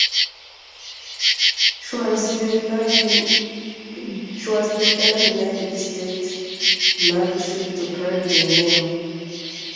She was the third United States Navy ship to carry the name.